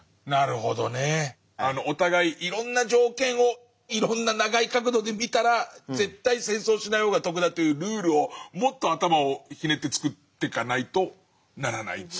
なるほどね。お互いいろんな条件をいろんな長い角度で見たら絶対戦争しない方が得だというルールをもっと頭をひねって作っていかないとならない。